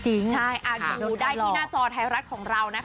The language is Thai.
ใช่ดูได้ที่หน้าจอไทยรัฐของเรานะคะ